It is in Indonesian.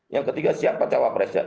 yang ketiga siapa capresnya